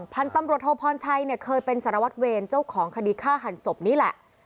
พันธุ์ตำรวจโทพรชัยเนี่ยเคยเป็นสารวัตรเวรเจ้าของคดีฆ่าหันศพนี่แหละ